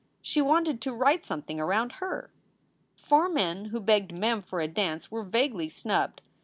She wanted to write something "around her." Four men who begged Mem for a dance were vaguely snubbed.